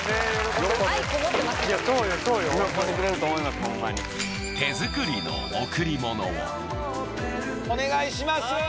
お願いします